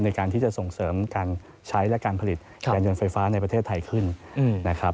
ในการที่จะส่งเสริมการใช้และการผลิตยานยนต์ไฟฟ้าในประเทศไทยขึ้นนะครับ